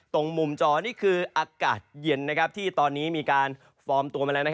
ตรงมุมจอนี่คืออากาศเย็นที่ตอนนี้มีการฟอร์มตัวมาแล้ว